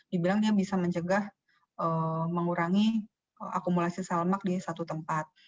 dibilang dia bisa mencegah mengurangi akumulasi sel lemak di satu tempat